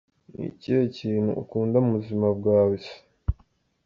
Ni ikihe kintu ukunda mu buzima bwawe se?.